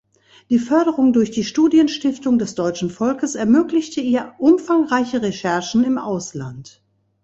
Die Förderung durch die Studienstiftung des deutschen Volkes ermöglichte ihr umfangreiche Recherchen im Ausland.